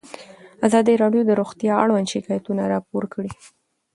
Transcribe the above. ازادي راډیو د روغتیا اړوند شکایتونه راپور کړي.